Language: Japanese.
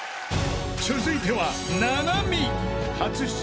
［続いては］